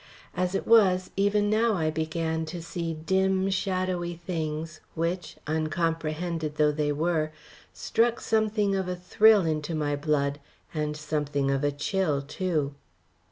As it was, even now I began to see dim, shadowy things which, uncomprehended though they were, struck something of a thrill into my blood, and something of a chill, too.